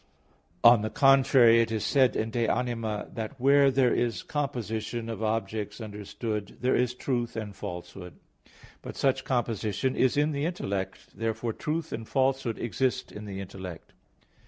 On the contrary, It is said in De Anima iii, 21, 22 that "where there is composition of objects understood, there is truth and falsehood." But such composition is in the intellect. Therefore truth and falsehood exist in the intellect.